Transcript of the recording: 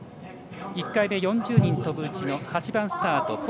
１回目４０人飛ぶうちの８番スタート